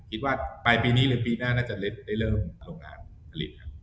คิดว่าไปปีนี้หรือปีหน้าน่าจะได้เริ่มโรงงานผลิตครับ